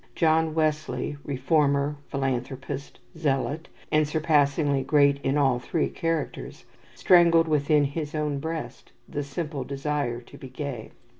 John Wesley, reformer, philanthropist, zealot, and surpassingly great in all three characters, strangled within his own breast the simple desire to be gay.